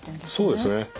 そうですね。